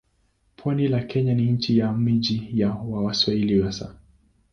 Pwani la Kenya ni nchi ya miji ya Waswahili hasa.